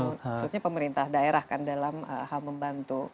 khususnya pemerintah daerah kan dalam hal membantu